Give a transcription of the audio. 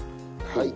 はい。